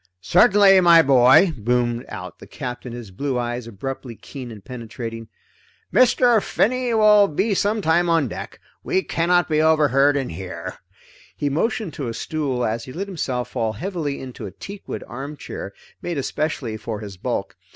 "Certainly my boy," boomed out the Captain, his blue eyes abruptly keen and penetrating. "Mr. Finney will be some time on deck. We cannot be overheard in here." He motioned to a stool as he let himself fall heavily into a teakwood armchair made especially for his bulk.